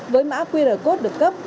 với mã qr code được cấp